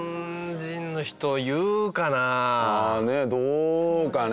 どうかね？